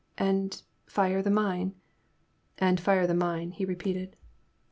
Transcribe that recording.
" And— fire the mine ?"'* And fire the mine," he repeated.